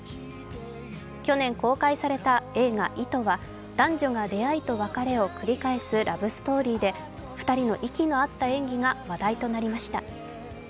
去年公開された映画「糸」は男女が出会いと別れを繰り返すラブストーリーで２人の息の合った演技が話題となりました。